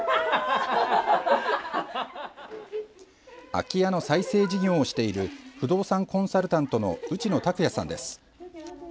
空き家の再生事業をしている不動産コンサルタントの内野巧也さんです。